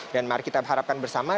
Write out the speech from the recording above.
dan mari kita harapkan bersama